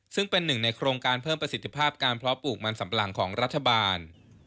ซึ่งเป็นหนึ่งในโครงการเพิ่มประสิทธิภาพการเพาะปลูกมันสำหลังของรัฐบาล